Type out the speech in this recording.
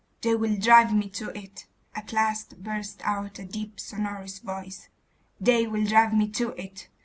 'They will drive me to it!' at last burst out a deep sonorous voice. 'They will drive me to it....